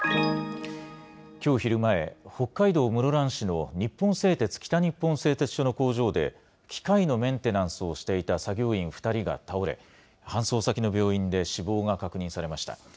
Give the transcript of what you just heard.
きょう昼前、北海道室蘭市の日本製鉄北日本製鉄所の工場で、機械のメンテナンスをしていた作業員２人が倒れ、搬送先の病院で死亡が確認されました。